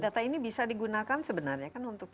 data ini bisa digunakan sebenarnya kan untuk tiga t